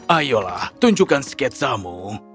ayolah tunjukkan sketsamu